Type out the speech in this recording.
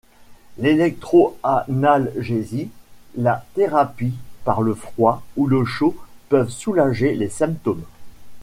L'électroanalgésie, la thérapie par le froid ou le chaud peuvent soulager les symptômes.